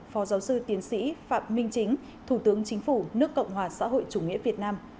phó giáo sư tiến sĩ phạm minh chính thủ tướng chính phủ nước cộng hòa xã hội chủ nghĩa việt nam